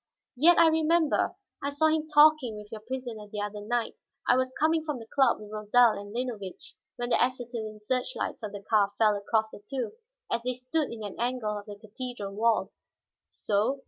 Yet I remember; I saw him talking with your prisoner the other night. I was coming from the club with Rosal and Linovitch, when the acetylene search lights of the car fell across the two, as they stood in an angle of the cathedral wall." "So?